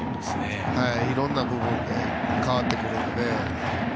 いろんな部分で変わってくるので。